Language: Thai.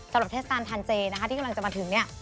สำหรับเทศตาลทานเจที่กำลังจะมาถึงเนี่ย